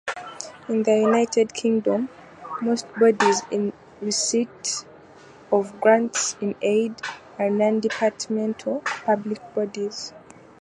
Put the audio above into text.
In the United Kingdom, most bodies in receipt of grants-in-aid are non-departmental public bodies.